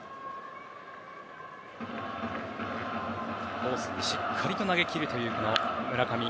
コースにしっかりと投げ切るという村上。